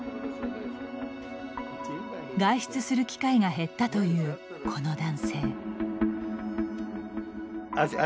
外出する機会が減ったというこの男性。